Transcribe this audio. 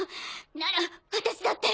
なら私だって。